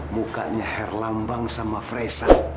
mukanya herlambang sama fresa